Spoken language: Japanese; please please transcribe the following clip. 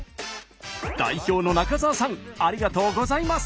代表の中澤さんありがとうございます。